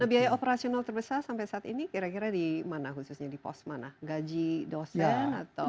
nah biaya operasional terbesar sampai saat ini kira kira di mana khususnya di pos mana gaji dosen atau